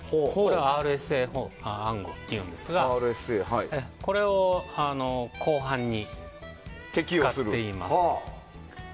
ＲＳＡ暗号というんですがこれを後半に使っています。